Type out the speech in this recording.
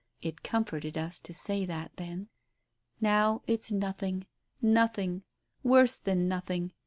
It comforted us to say that then. "Now, it's nothing — nothing — worse than nothing!